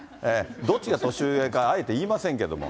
どっちが年上からあえて言いませんけど。